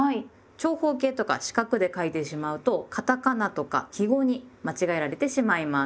長方形とか四角で書いてしまうとカタカナとか記号に間違えられてしまいます。